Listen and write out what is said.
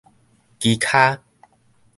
奇跤